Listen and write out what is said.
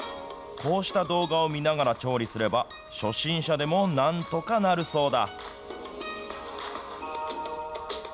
こうした動画を見ながら調理すれば、初心者でもなんとかなるそうだ。